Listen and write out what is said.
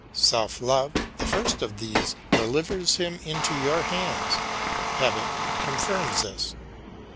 Self love, the first of these, delivers him into your hands; habit confirms this.